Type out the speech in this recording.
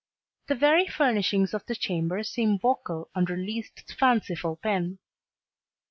The very furnishings of the chamber seem vocal under Liszt's fanciful pen.